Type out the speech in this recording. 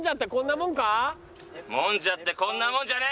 もんじゃってこんなもんじゃねえ！